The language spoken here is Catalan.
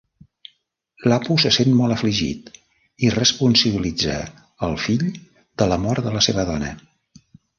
L'Apu se sent molt afligit i responsabilitza el fill de la mort de la seva dona.